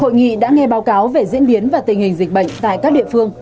hội nghị đã nghe báo cáo về diễn biến và tình hình dịch bệnh tại các địa phương